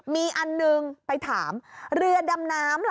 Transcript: มีอันหนึ่งไปถามเรือดำน้ำล่ะ